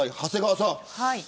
長谷川さん